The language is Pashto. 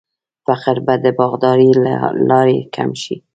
فقر به د باغدارۍ له لارې کم شي.